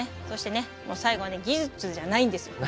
そして最後は技術じゃないんです。